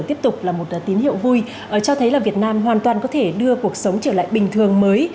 tiếp tục là một tín hiệu vui cho thấy là việt nam hoàn toàn có thể đưa cuộc sống trở lại bình thường mới